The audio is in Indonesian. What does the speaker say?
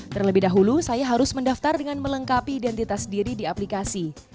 terlebih dahulu saya harus mendaftar dengan melengkapi identitas diri di aplikasi